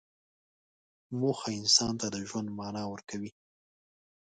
موخه انسان ته د ژوند معنی ورکوي.